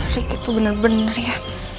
ricky tuh bener bener ya